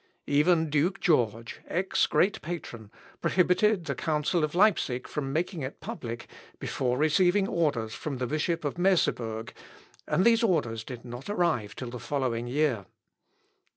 Even Duke George, Eck's great patron, prohibited the Council of Leipsic from making it public, before receiving orders from the Bishop of Merseburg, and these orders did not arrive till the following year.